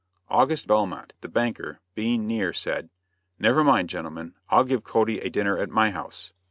August Belmont, the banker, being near said: "Never mind, gentlemen, I'll give Cody a dinner at my house."